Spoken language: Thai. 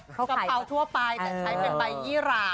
กระเพราถั่วไปจะใช้ใบยี่หร่า